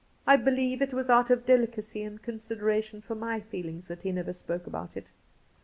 I believe it was out of delicacy and consideration for my feelings that he never spoke about it.